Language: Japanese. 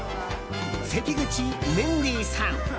関口メンディーさん。